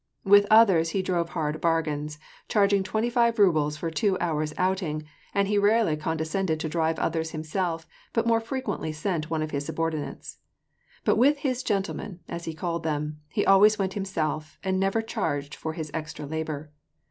With others he drove hard bargains, charging twenty five rubles for a two hours* outing, and he rarely condescended to drive others himself, but more fre quently sent one of his subordinates. But with his '' gentle men,'' as he called them, he always went himself, and never charged for his extra labor.